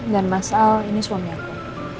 dan mas al ini suami aku